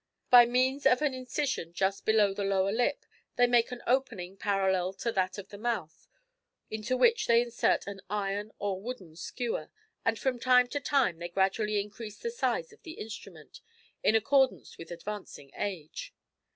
By means of an incision just below the lower lip, they make an opening parallel to that of the mouth, into which they insert an iron or wooden skewer, and from time to time they gradually increase the size of the instrument, in accordance with advancing age.